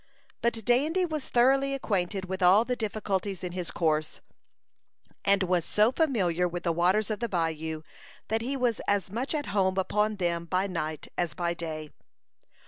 But Dandy was thoroughly acquainted with all the difficulties in his course, and was so familiar with the waters of the bayou, that he was as much at home upon them by night as by day.